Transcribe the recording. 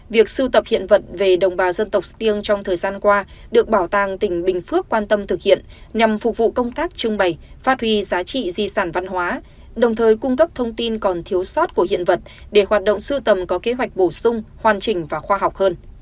việc sưu tập hiện vật về đồng bào dân tộc stiêng trong thời gian qua được bảo tàng tỉnh bình phước quan tâm thực hiện nhằm phục vụ công tác trưng bày phát huy giá trị di sản văn hóa đồng thời cung cấp thông tin còn thiếu sót của hiện vật để hoạt động sưu tầm có kế hoạch bổ sung hoàn chỉnh và khoa học hơn